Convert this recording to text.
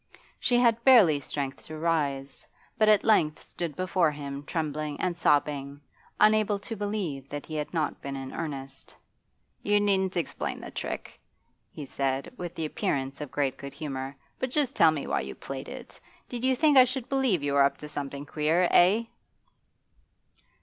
She had barely strength to rise, but at length stood before him trembling and sobbing, unable to believe that he had not been in earnest. 'You needn't explain the trick,' he said, with the appearance of great good humour, 'but just tell me why you played it. Did you think I should believe you were up to something queer, eh?